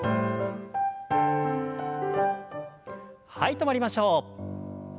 止まりましょう。